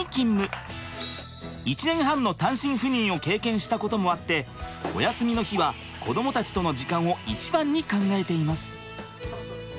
１年半の単身赴任を経験したこともあってお休みの日は子どもたちとの時間を一番に考えています。